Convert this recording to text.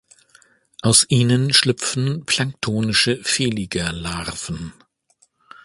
Aus ihnen schlüpfen planktonische Veliger-Larven.